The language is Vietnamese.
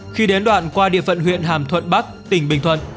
khi đến đoạn qua địa phận huyện hàm thuận bắc tỉnh bình thuận